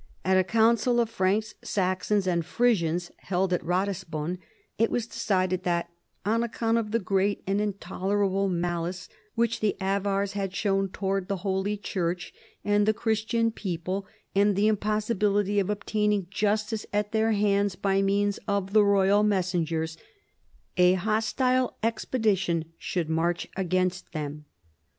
At a council of Franks, Saxons, and Frisians held at Ratisbon, it was decided that " on account of the great and intolerable malice which the Avars had shown towards the Holy Church and the Christian people, and the impossibil ity of obtaining justice at their hands by means of the royal messengers, a hostile expedition should march against them."